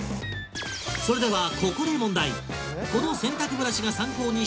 それではここで問題